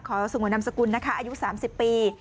สงวนนามสกุลนะคะอายุ๓๐ปี